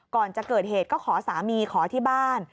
ก่อนจะเกิดเหตุก็ขอสามีขอที่บ้าน